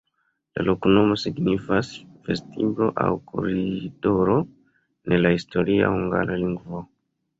La loknomo signifas: vestiblo aŭ koridoro en la historia hungara lingvo.